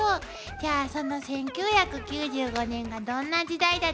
じゃあその１９９５年がどんな時代だったか説明するわ。